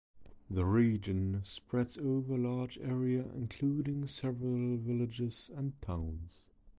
The region spreads over a large area including several villages and towns.